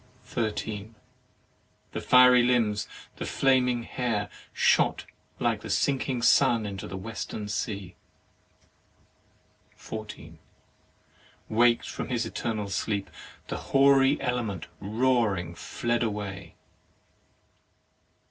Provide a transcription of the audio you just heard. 13. The fiery limbs, the flaming hair shot like the sinking sun into the Western sea. 14. WakM from his eternal sleep, the hoary element roaring fled away.